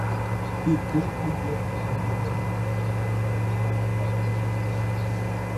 He quickly gained a reputation as a virtuoso concert guitarist.